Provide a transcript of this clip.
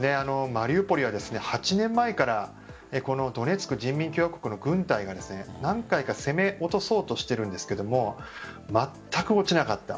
マリウポリは８年前からドネツク人民共和国の軍隊が何回か攻め落そうとしているんですが全く落ちなかった。